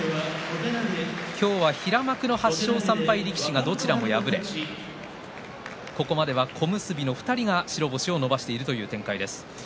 今日は平幕の８勝３敗力士がどちらも敗れここまでは小結の２人が白星を伸ばしているという展開です。